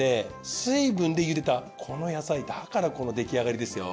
水分でゆでたこの野菜だからこの出来上がりですよ。